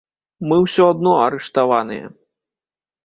Мы ўсё адно арыштаваныя!